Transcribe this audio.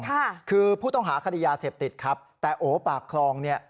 ค่ะคือผู้ต้องหาคดียาเสพติดครับแต่โอปากคลองเนี่ย